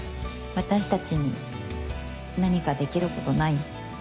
私たちに何かできることない？